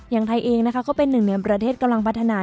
ไทยเองนะคะก็เป็นหนึ่งในประเทศกำลังพัฒนา